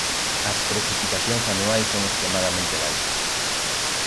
As precipitacións anuais son extremadamente baixas.